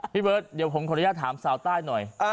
พี่เบิร์ตเดี๋ยวผมขออนุญาตถามสาวใต้หน่อย